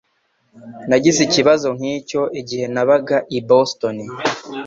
Nagize ikibazo nkicyo igihe nabaga i Boston.